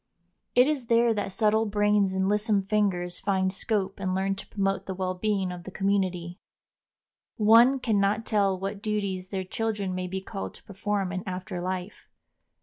It is there that subtle brains and lissome fingers find scope and learn to promote the well being of the community. One can not tell what duties their children may be called to perform in after life.